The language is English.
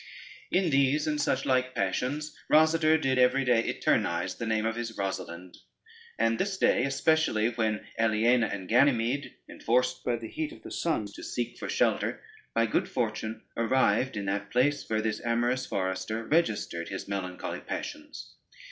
In these and such like passions Rosader did every day eternize the name of his Rosalynde; and this day especially when Aliena and Ganymede, enforced by the heat of the sun to seek for shelter, by good fortune arrived in that place, where this amorous forester registered his melancholy passions.